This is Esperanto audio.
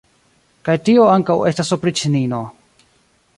Kaj tio ankaŭ estas opriĉnino!